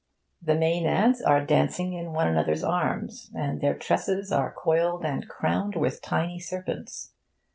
The Maenads are dancing in one another's arms, and their tresses are coiled and crowned with tiny serpents.